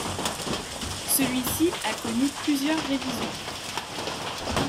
Celui-ci a connu plusieurs révisions.